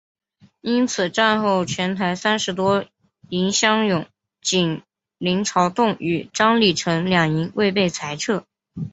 因此战后全台三十多营乡勇仅林朝栋与张李成两营未被裁撤。